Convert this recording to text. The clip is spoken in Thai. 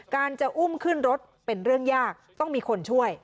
จะอุ้มขึ้นรถเป็นเรื่องยากต้องมีคนช่วย